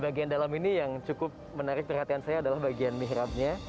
bagian dalam ini yang cukup menarik perhatian saya adalah bagian mihrabnya